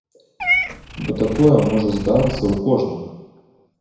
Бо такое можа здарыцца ў кожнага.